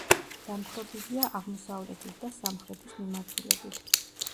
დამხრობილია აღმოსავლეთის და სამხრეთის მიმართულებით.